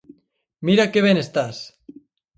Mira que ben estás!